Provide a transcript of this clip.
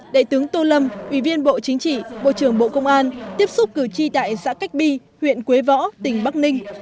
đại tướng tô lâm ủy viên bộ chính trị bộ trưởng bộ công an tiếp xúc cử tri tại xã cách bi huyện quế võ tỉnh bắc ninh